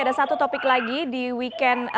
ada satu topik lagi di weekend